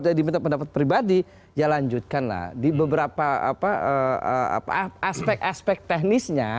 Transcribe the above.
jadi minta pendapat pribadi ya lanjutkan lah di beberapa apa apa aspek aspek teknisnya